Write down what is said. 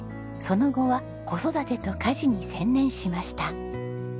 その後は子育てと家事に専念しました。